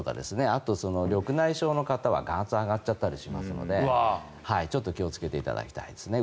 あと、緑内障の方は、眼圧が上がっちゃったりしますのでちょっと気をつけていただきたいですね。